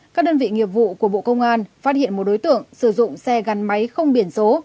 các đơn vị nghiệp vụ của bộ công an phát hiện một đối tượng sử dụng xe gắn máy không biển số